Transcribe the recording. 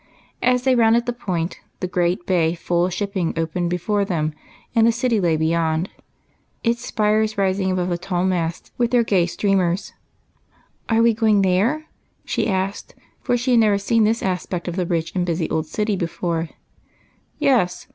As they rounded the Point, the great bay opened before them full of shipping, and the city lay beyond, its spires rising above the tall masts with their gay streamers. " Are we going there ?" she asked, for she had never seen this aspect of the rich and busy old city before. " Yes.